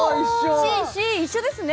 ＣＣ一緒ですね